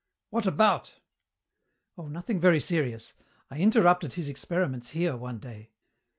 "What about?" "Oh, nothing very serious. I interrupted his experiments here one day.